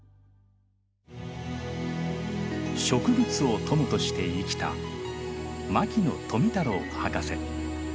植物を友として生きた牧野富太郎博士。